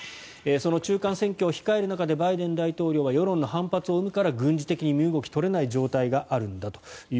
その中間選挙を控える中でバイデン大統領は世論の反発を生むから軍事的に身動きが取れない状況があると。